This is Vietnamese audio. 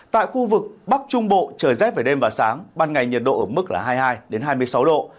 tại khu vực bắc trung bộ trời rét về đêm và sáng ban ngày nhiệt độ ở mức hai mươi hai hai mươi sáu độ